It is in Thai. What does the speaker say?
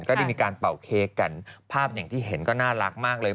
ก็ได้มีการเป่าเค้กกันภาพอย่างที่เห็นก็น่ารักมากเลย